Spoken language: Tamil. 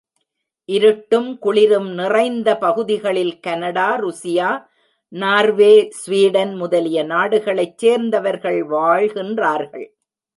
இருட்டும் குளிரும் நிறைந்த பகுதிகளில் கனடா, உருசியா, நார்வே, ஸ்வீடன் முதலிய நாடுகளைச் சேர்ந்தவர்கள் வாழ்கின்றார்கள்.